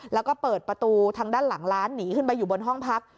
แล้วก็เปิดประตูทางด้านหลังร้านหนีขึ้นไปอยู่บนห้องพัก